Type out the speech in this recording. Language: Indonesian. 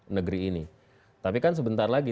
negeri ini tapi kan sebentar lagi